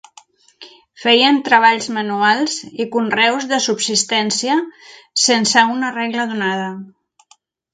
Feien treballs manuals i conreus de subsistència, sense una regla donada.